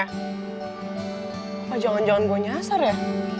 oh jangan jangan gue nyasar ya